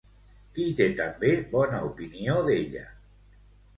Qui té també bona opinió d'ella?